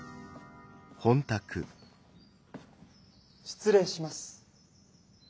失礼します。